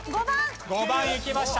５番いきました。